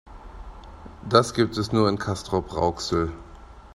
Das gibt es nur in Castrop-Rauxel